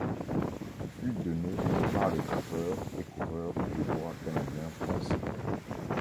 Il fut donné par les trappeurs et coureurs des bois canadiens français.